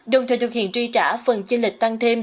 đồng thời thực hiện chi trả phần chi lệch tăng thêm